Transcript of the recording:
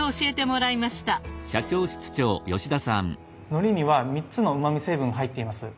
のりには３つのうまみ成分入っています。